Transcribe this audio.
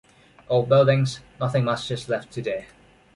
Old buildings, nothing much is left today.